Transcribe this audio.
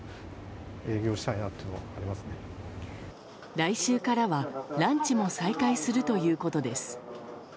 来週からはランチも再開するということです。